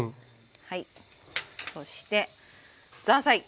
そしてザーサイ。